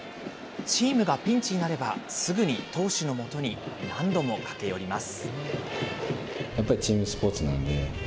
チームがピンチになれば、すぐに投手のもとに何度も駆け寄ります。